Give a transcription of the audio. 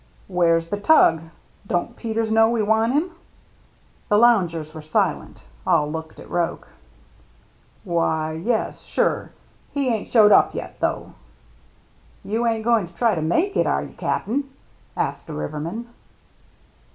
" Where's the tug ? Don't Peters know we want him ?" The loungers were silent. All looked at Roche. "Why, yes — sure. He ain't showed up yet, though." " You ain't goin' to try to make it, are you, Cap'n ?" asked a riverman.